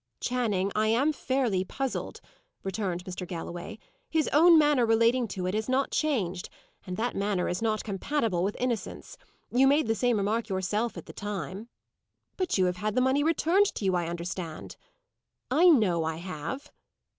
"Channing, I am fairly puzzled," returned Mr. Galloway, "His own manner, relating to it, has not changed, and that manner is not compatible with innocence, You made the same remark yourself, at the time." "But you have had the money returned to you, I understand." "I know I have."